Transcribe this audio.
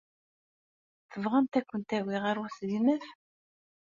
Tebɣamt ad kent-awiɣ ɣer usegnaf?